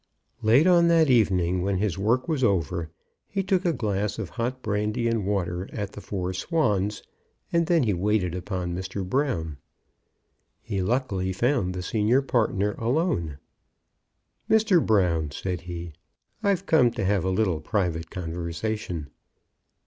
Late on that evening, when his work was over, he took a glass of hot brandy and water at the "Four Swans," and then he waited upon Mr. Brown. He luckily found the senior partner alone. "Mr. Brown," said he, "I've come to have a little private conversation."